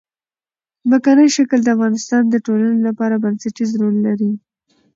ځمکنی شکل د افغانستان د ټولنې لپاره بنسټيز رول لري.